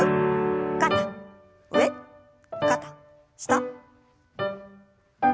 肩上肩下。